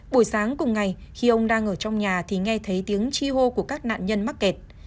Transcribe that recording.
buổi sáng cùng ngày khi ông đang ở trong nhà thì nghe thấy tiếng chi hô của các nạn nhân mắc kẹt